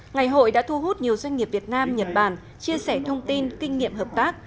ngày hội đã thu hút nhiều doanh nghiệp việt nam nhật bản chia sẻ thông tin kinh nghiệm hợp tác